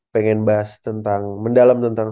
pengen bahas tentang mendalam tentang